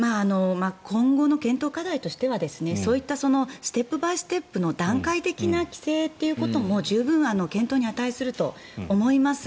今後の検討課題としてはそういったステップ・バイ・ステップの段階的な規制ということも十分に検討に値すると思います。